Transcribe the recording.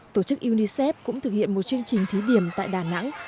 tổ chức unicef cũng thực hiện một chương trình thí điểm tại đà nẵng